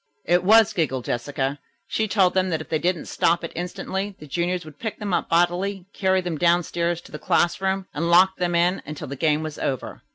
"It was," giggled Jessica. "She told them that if they didn't stop it instantly, the juniors would pick them up bodily, carry them downstairs to the classroom and lock them in until the game was over."